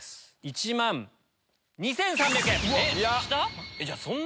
１万２３００円！